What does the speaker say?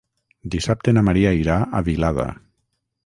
Dissabte na Maria irà a Vilada.